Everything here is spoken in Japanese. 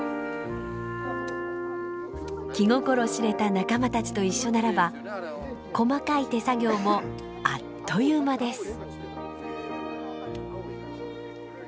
気心知れた仲間たちと一緒ならば細かい手作業もあっという間です。